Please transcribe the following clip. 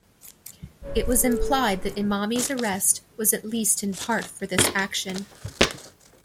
It was implied that Emami's arrest was at least in part for this action.